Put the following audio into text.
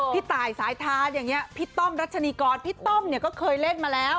พี่ตายสายทานอย่างนี้พี่ต้อมรัชนีกรพี่ต้อมเนี่ยก็เคยเล่นมาแล้ว